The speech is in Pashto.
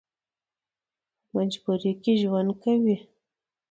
په مجبورۍ کې ژوند کوي.